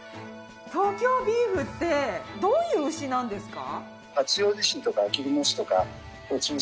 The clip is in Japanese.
東京ビーフってどういう牛なんですか？